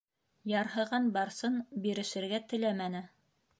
- Ярһыған Барсын бирешергә теләмәне.